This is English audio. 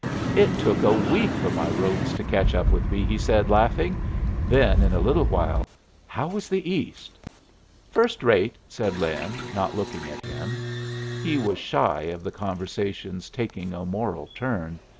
"It took a week for my robes to catch up with me," he said, laughing. Then, in a little while, "How was the East?" "First rate," said Lin, not looking at him. He was shy of the conversation's taking a moral turn.